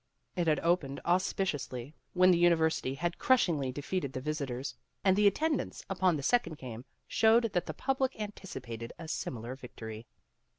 It had opened auspiciously when the university had crush ingly defeated the visitors, and the attendance upon the second game showed that the public anticipated a similar victory.